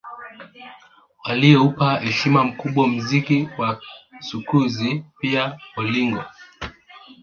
Walioupa heshima kubwa mziki wa sukusi pia bolingo